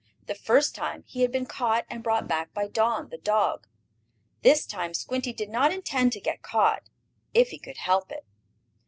The first time he had been caught and brought back by Don, the dog. This time Squinty did not intend to get caught, if he could help it.